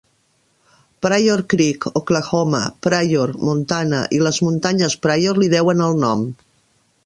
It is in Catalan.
Pryor Creek, Oklahoma, Pryor, Montana i les muntanyes Pryor li deuen el nom.